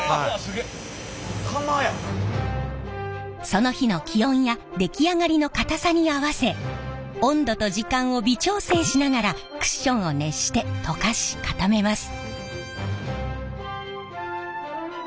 その日の気温や出来上がりの硬さに合わせ温度と時間を微調整しながらクッションを熱して溶かし固めます。